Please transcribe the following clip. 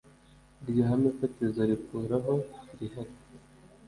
Iryo hame fatizo rikuraho irihari.